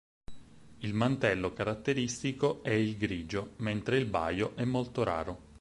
Il mantello caratteristico è il grigio, mentre il baio è molto raro.